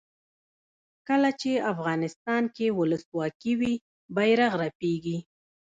کله چې افغانستان کې ولسواکي وي بیرغ رپیږي.